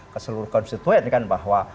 keseluruh konstituen bahwa